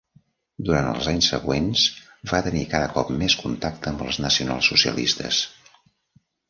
Durant els anys següents va tenir cada cop més contacte amb els nacionalsocialistes.